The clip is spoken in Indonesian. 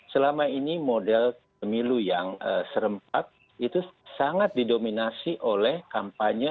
selama ini model pemilu yang serempak itu sangat didominasi oleh kampanye